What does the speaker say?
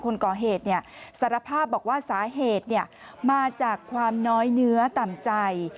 คนก่อเหตุสารภาพบอกว่าสาเหตุมาจากความน้อยเนื้อต่ำใจ